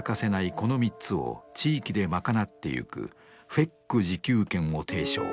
この３つを地域でまかなっていくＦＥＣ自給圏を提唱。